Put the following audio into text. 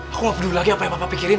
aku gak peduli lagi apa yang papa pikirin